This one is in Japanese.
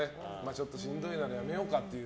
ちょっとしんどいならやめようかって。